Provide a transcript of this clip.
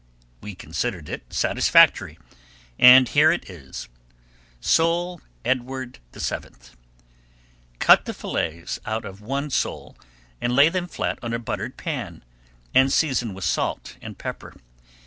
We considered it satisfactory, and here it is: Sole Edward VII Cut the fillets out of one sole and lay them flat on a buttered pan, and season with salt and pepper.